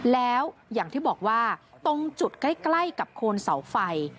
แล้วอย่างที่บอกว่าตรงจุดใกล้กับโคนเสาไฟ